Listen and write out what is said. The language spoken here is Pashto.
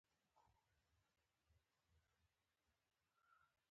ټاپووزمه د وچې یوه برخه په اوبو کې ننوتلې وي.